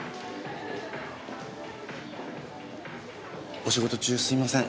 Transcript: お仕事中すいません。